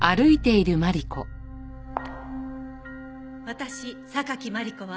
私榊マリコは